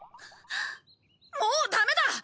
もうダメだ！